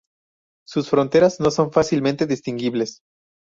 Sus fronteras no son fácilmente distinguibles.